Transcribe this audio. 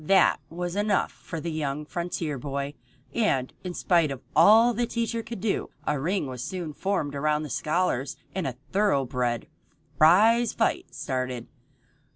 That was enough for the young frontier boy, and, in spite of all the teacher could do, a ring was soon formed by the scholars and a thoroughbred prize fight started.